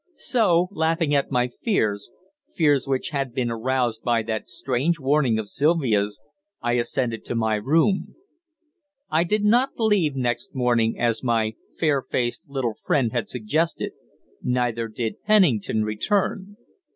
So, laughing at my fears fears which had been aroused by that strange warning of Sylvia's I ascended to my room. I did not leave next morning, as my fair faced little friend had suggested, neither did Pennington return.